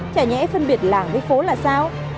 chả nhẽ phân biệt làng với phố là sao